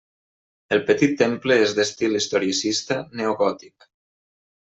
El petit temple és d'estil historicista neogòtic.